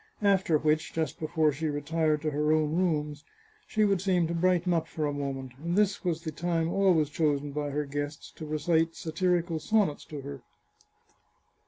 After which, just before she retired to her own rooms, she would seem to brighten up for a moment, and this was the time always chosen by her guests to recite satirical sonnets to her.